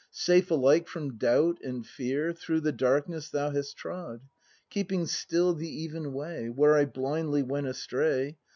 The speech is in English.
Safe alike from doubt and fear Through the darkness thou hast trod, Keeping still the even way, Where I blindly went astray.